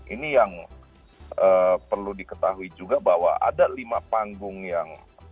ini yang perlu diketahui juga bahwa ada lima panggung yang